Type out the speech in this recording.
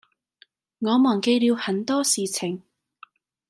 我忘記了很多事情